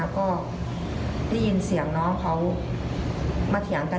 ก็ได้ยินเสียงทะเลาะกันแรงมาก